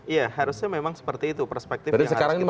iya harusnya memang seperti itu perspektif yang harus kita